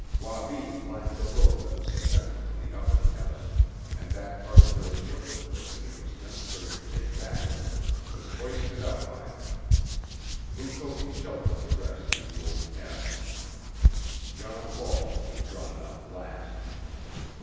Wabi climbed the rope that was suspended from the upper chasm, and that part of their equipment which it was necessary to take back with them was hoisted up by him. Mukoki sheltered the rest in the old cabin. John Ball was drawn up last.